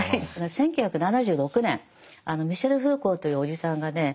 １９７６年ミシェル・フーコーというおじさんがね